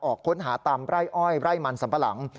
ออกค้นหาตามไร่อ้อยไร่มันสัมปะหลัง